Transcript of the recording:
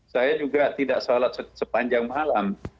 saya juga tidak sholat sepanjang malam